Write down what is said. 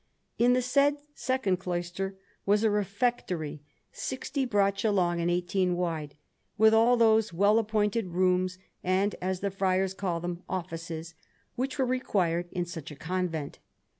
In the said second cloister was a refectory, sixty braccia long and eighteen wide, with all those well appointed rooms, and, as the friars call them, offices, which were required in such a convent.